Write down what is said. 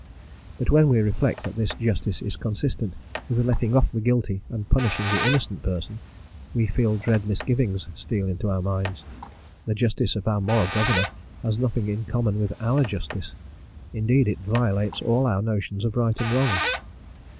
But when we reflect that this justice is consistent with letting off the guilty and punishing the innocent person, we feel dread misgivings steal into our minds. The justice of our Moral Governor has nothing in common with our justice indeed, it violates all our notions of right and wrong.